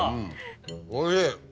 おいしい！